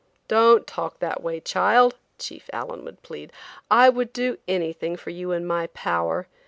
"Don't talk that way, child," Chief Allen would plead, "I would do anything for you in my power.